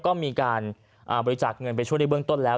ก็มีการบริจาคเงินไปช่วยในเบื้องต้นแล้ว